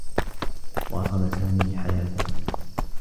واصل سامي حياته.